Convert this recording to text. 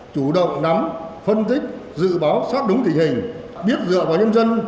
chủ động nắm phân tích dự báo sát đúng tình hình biết dựa vào nhân dân